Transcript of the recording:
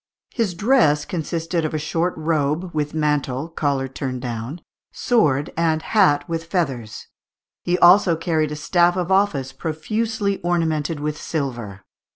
His dress consisted of a short robe, with mantle, collar turned down, sword, and hat with feathers; he also carried a staff of office, profusely ornamented with silver.